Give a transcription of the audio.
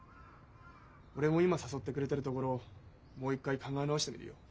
俺も今誘ってくれてる所もう一回考え直してみるよ。